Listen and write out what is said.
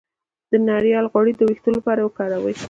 د ناریل غوړي د ویښتو لپاره وکاروئ